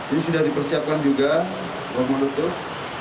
ini sudah dipersiapkan juga bom molotov